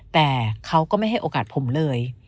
แต่เขาก็ไม่ให้โอกาสผมเลย